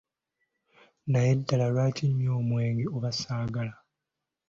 Naye ddala lwaki nywa omwenge oba sigala?